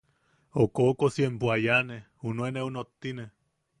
O koʼokosi empo a yaane junuen eu nottine.